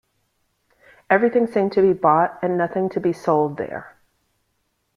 Everything seemed to be bought and nothing to be sold there.